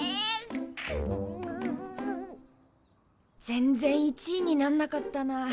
全然１位になんなかったな。